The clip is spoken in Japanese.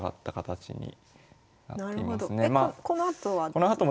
このあとは？